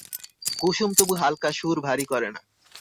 কুসুম তবু হালকা সুর ভারী করে না।